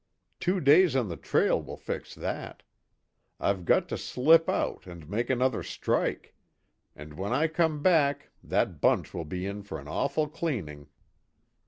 Two days on the trail will fix that. I've got to slip out and make another strike. And when I come back that bunch will be in for an awful cleaning."